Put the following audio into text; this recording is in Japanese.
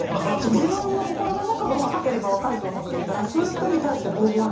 自分の心の中が若ければ若いと思っていたらそういう人に対してボーヴォワール